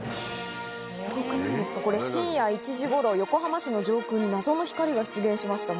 すごくないですか、これ、深夜１時ごろ、横浜市の上空に謎の光が出現しました。